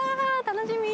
楽しみ！